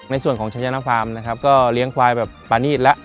ในส่วนของชะเจ้าหน้าฟาร์มนะครับก็เลี้ยงควายแบบป่านีดละ